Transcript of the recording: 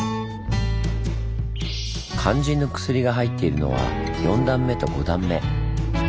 肝心の薬が入っているのは４段目と５段目。